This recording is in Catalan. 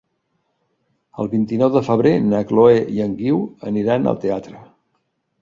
El vint-i-nou de febrer na Chloé i en Guiu aniran al teatre.